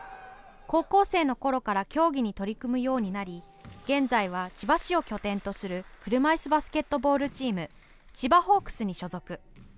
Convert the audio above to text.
高校生のころから競技に取り組むようになり現在は、千葉市を拠点とする車いすバスケットボールチーム千葉ホークスに所属。